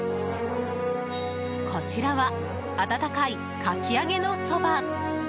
こちらは、温かいかき揚げのそば。